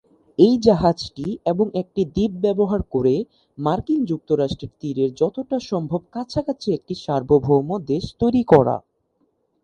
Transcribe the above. এই জাহাজটি এবং একটি দ্বীপ ব্যবহার করে, মার্কিন যুক্তরাষ্ট্রের তীরের যতটা সম্ভব কাছাকাছি একটি সার্বভৌম দেশ তৈরি করা।